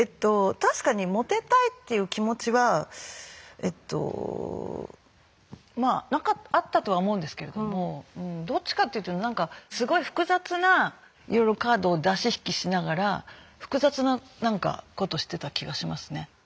確かにモテたいっていう気持ちはまああったとは思うんですけれどもどっちかって言うとなんかすごい複雑ないろいろカードを出し引きしながら複雑な何かことしてた気がしますね。